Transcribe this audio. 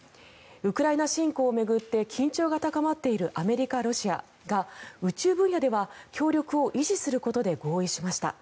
ウクライナ侵攻を巡って緊張が高まっているアメリカ、ロシアが宇宙分野では協力を維持することで合意しました。